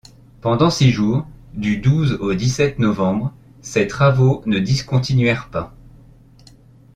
Pendant six jours, du douze au dix-sept novembre, ces travaux ne discontinuèrent pas.